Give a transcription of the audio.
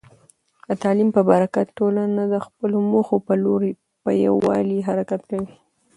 د تعلیم په برکت، ټولنه د خپلو موخو په لور په یووالي حرکت کوي.